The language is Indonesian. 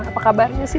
apa kabarnya sih